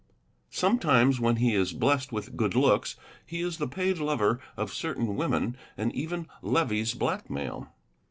Sometimes, when he is blessed with good looks, he is the paid lover of certain women and even levies blackmail.